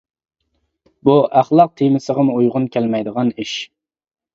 بۇ ئەخلاق تېمىسىغىمۇ ئۇيغۇن كەلمەيدىغان ئىش.